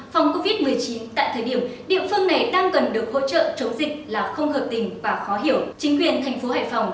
phòng covid một mươi chín tại thời điểm địa phương này đang cần được hỗ trợ chống dịch là không hợp tình và khó hiểu